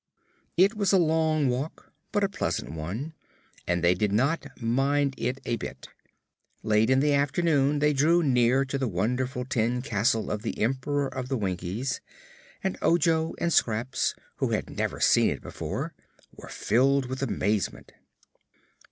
It was a long walk, but a pleasant one, and they did not mind it a bit. Late in the afternoon they drew near to the wonderful tin castle of the Emperor of the Winkies, and Ojo and Scraps, who had never seen it before, were filled with amazement.